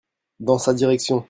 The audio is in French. Dans sa direction.